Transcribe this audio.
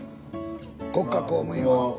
国家公務員は？